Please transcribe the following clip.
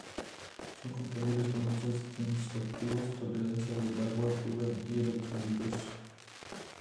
Son compatibles con otros tensioactivos y toleran el agua dura y electrolitos.